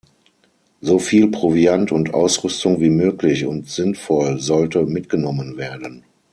Soviel Proviant und Ausrüstung wie möglich und sinnvoll sollte mitgenommen werden.